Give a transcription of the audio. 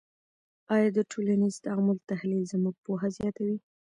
آیا د ټولنیز تعامل تحلیل زموږ پوهه زیاتوي؟